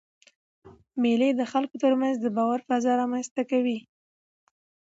مېلې د خلکو ترمنځ د باور فضا رامنځ ته کوي.